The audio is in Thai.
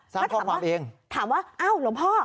สร้างข้อความเองถามว่าอ้าวหลวงพ่อ